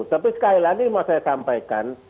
tapi sekali lagi mau saya sampaikan